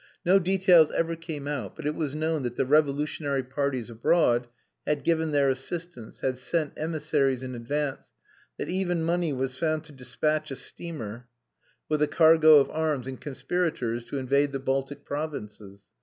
No details ever came out, but it was known that the revolutionary parties abroad had given their assistance, had sent emissaries in advance, that even money was found to dispatch a steamer with a cargo of arms and conspirators to invade the Baltic provinces.